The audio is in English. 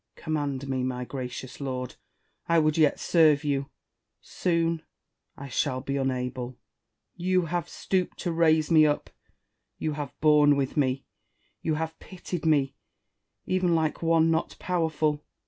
Command me, my gracious lord ! I would yet serve you : soon I shall be unable. You have stooped to raise me up ; you have borne with me ; you have pitied me, even like one not powerful.